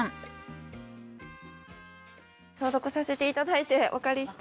消毒させていただいてお借りして。